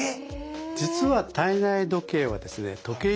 実は体内時計はですね時計